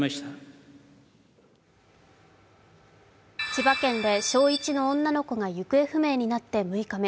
千葉県で小１の女の子が行方不明になって６日目。